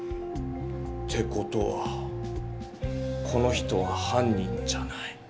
て事はこの人は犯人じゃない。